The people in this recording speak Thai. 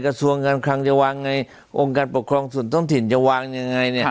กระทรวงการคลังจะวางไงองค์การปกครองส่วนท้องถิ่นจะวางยังไงเนี่ย